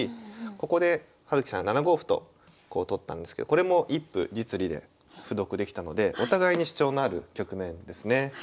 ここで葉月さん７五歩とこう取ったんですけどこれも１歩実利で歩得できたのでお互いに主張のある局面ですね。